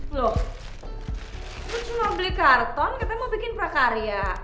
loh bu cuma beli karton katanya mau bikin prakarya